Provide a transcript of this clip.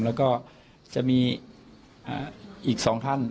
แล้วก็จะมีอ่าอีกสองท่าน